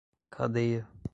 cadeia